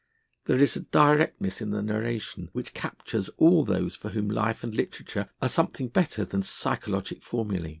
There is a directness in the narration, which captures all those for whom life and literature are something better than psychologic formulæ.